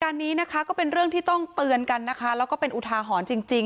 การนี้นะคะก็เป็นเรื่องที่ต้องเตือนกันนะคะแล้วก็เป็นอุทาหรณ์จริงจริง